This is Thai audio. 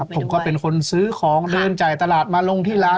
ผมก็เป็นคนซื้อของเดินจ่ายตลาดมาลงที่ร้าน